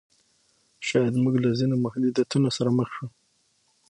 شاید موږ له ځینو محدودیتونو سره مخ شو.